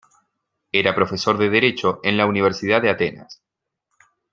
Era profesor de derecho en la Universidad de Atenas.